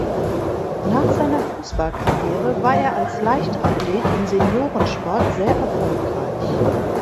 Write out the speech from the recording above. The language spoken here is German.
Nach seiner Fußballkarriere war er als Leichtathlet im Seniorensport sehr erfolgreich.